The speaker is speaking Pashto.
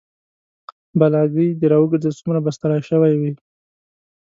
بلاګي د راوګرځه سومره به ستړى شوى وي